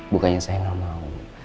bukannya saya gak mau